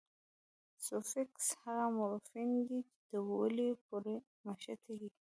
سوفیکس هغه مورفیم دئ، چي د ولي پوري مښتي يي.